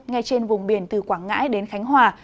ngay trên vùng biển từ quảng ngãi đến khánh hòa